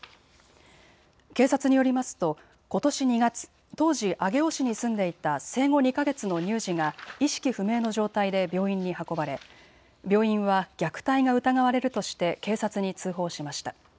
警察によりますと、ことし２月、当時、上尾市に住んでいた生後２か月の乳児が意識不明の状態で病院に運ばれ病院は虐待が疑われるとして警察に通報しました。